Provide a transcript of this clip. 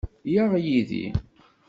Yyaɣ yid-i.